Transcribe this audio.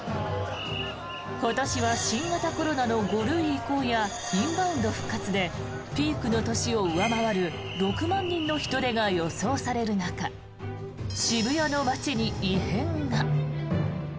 今年は新型コロナの５類移行やインバウンド復活でピークの年を上回る６万人の人出が予想される中渋谷の街に異変が。